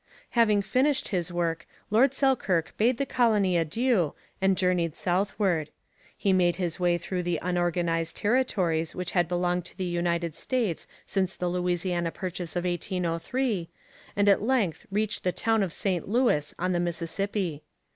Having finished his work, Lord Selkirk bade the colony adieu and journeyed southward. He made his way through the unorganized territories which had belonged to the United States since the Louisiana Purchase of 1803, and at length reached the town of St Louis on the Mississippi.